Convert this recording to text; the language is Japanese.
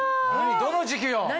どの時期よ？何？